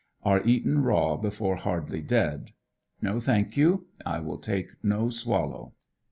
Are eaten raw before hardly dead. No, thank you, I will take no swallow.